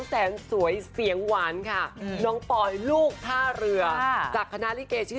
แสนสวยเสียงหวานค่ะน้องปอยลูกท่าเรือจากคณะลิเกชื่อ